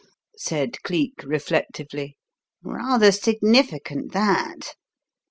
said Cleek, reflectively. "Rather significant, that.